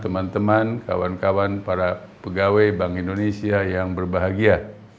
teman teman kawan kawan para pegawai bank indonesia yang berbahagia